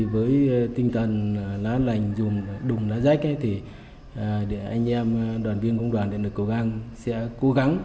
với tinh thần lá lành dùng đùng lá rách thì anh em đoàn viên công đoàn điện lực cờ bang sẽ cố gắng